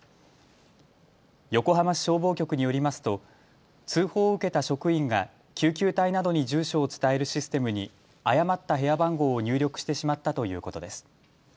横浜市消防局によりますと通報を受けた職員が救急隊などに住所を伝えるシステムに誤った部屋番号を入力してしまったということです。